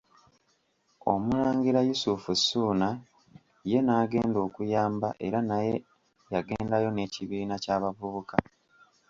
Omulangira Yusufu Ssuuna ye n'agenda okuyamba era naye yagendayo n'ekibiina ky'abavubuka.